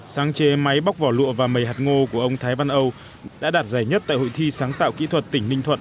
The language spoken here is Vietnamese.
sáng chế máy bóc vỏ lụa và mầy hạt ngô của ông thái văn âu đã đạt giải nhất tại hội thi sáng tạo kỹ thuật tỉnh ninh thuận